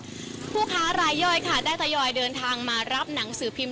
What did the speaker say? ผู้ค้ารายย่อยค่ะได้ทยอยเดินทางมารับหนังสือพิมพ